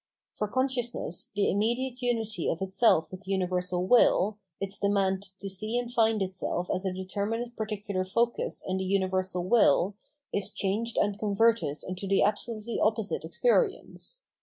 For consciousness, the immediate unity of itself with universal will, its demand to see and find itself as a determinate particular focus in the universal will, is changed and converted into the absolutely oppo site experience.